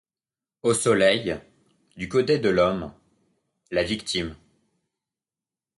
Au soleil, du côté de l’homme, la victime